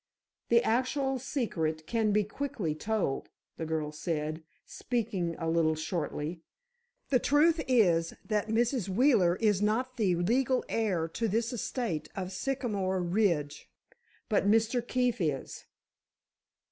"The actual secret can be quickly told," the girl said, speaking a little shortly. "The truth is, that Mrs. Wheeler is not the legal heir to this estate of Sycamore Ridge—but, Mr. Keefe is."